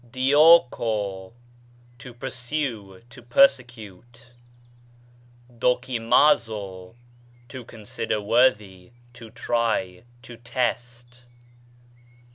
διώκω, to pursue, to persecute. δϑοκιμάζω, to consider worth, to try, to test.